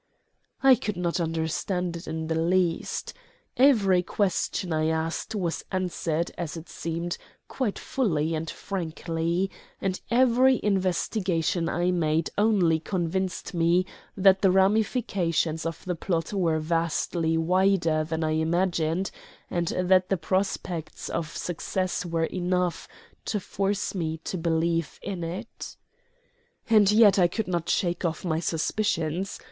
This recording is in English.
I could not understand it in the least. Every question I asked was answered, as it seemed, quite fully and frankly; and every investigation I made only convinced me that the ramifications of the plot were vastly wider than I imagined, and that the prospects of success were enough to force me to believe in it. And yet I could not shake off my suspicions.